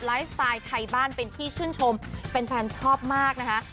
สไตล์ไทยบ้านเป็นที่ชื่นชมแฟนชอบมากนะคะ